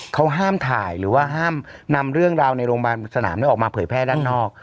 เขาห้ามถ่ายหรือว่าห้ามนำเรื่องราวในโรงพยาบาลสนามออกมาเผยแพร่ด้านนอก